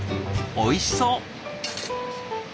おいしそう！